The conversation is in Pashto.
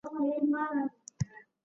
کتابونو کي راغلې دا کيسه ده؛